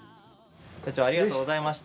社長ありがとうございました。